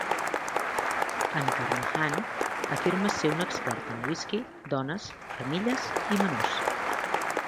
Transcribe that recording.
En Carnehan afirma ser un expert en whisky, dones, armilles i menús.